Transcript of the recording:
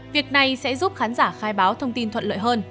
việc này sẽ giúp khán giả khai báo thông tin thuận lợi hơn